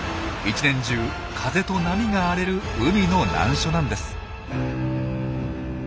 一年中風と波が荒れる海の難所なんです。